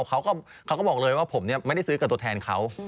เขาก็บอกเลยว่าผมไม่ได้ซื้อกับตัวแทนเขา